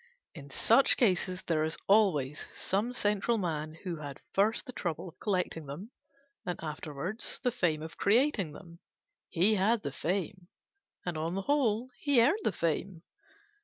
In such cases there is always some central man who had first the trouble of collecting them, and afterwards the fame of creating them. He had the fame; and, on the whole, he earned the fame.